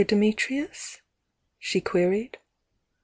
Dimitrius?" she queried.